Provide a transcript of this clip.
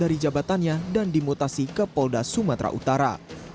dari jabatannya dan dimutasi ke polda sumatera utara